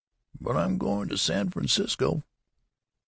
But I'm going to San Francisco."